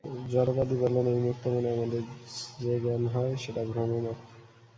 জড়বাদী বলেন, আমি মুক্ত বলে আমাদের যে জ্ঞান হয়, সেটা ভ্রমমাত্র।